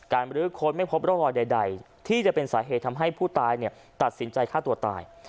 บรื้อค้นไม่พบร่องรอยใดที่จะเป็นสาเหตุทำให้ผู้ตายตัดสินใจฆ่าตัวตาย